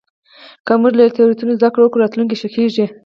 که موږ له تېروتنو زدهکړه وکړو، راتلونکی ښه کېږي.